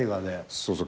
そうそう。